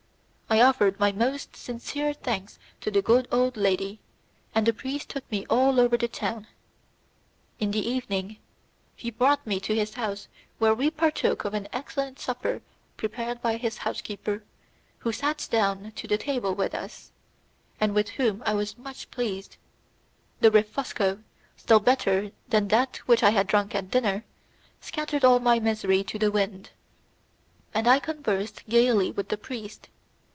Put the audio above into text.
I offered my most sincere thanks to the good old lady, and the priest took me all over the town. In the evening, he brought me to his house where we partook of an excellent supper prepared by his housekeeper, who sat down to the table with us, and with whom I was much pleased. The refosco, still better than that which I had drunk at dinner, scattered all my misery to the wind, and I conversed gaily with the priest.